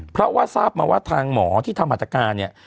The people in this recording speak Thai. เพราะว่าทางหมอที่ทำหัตถการเนี่ย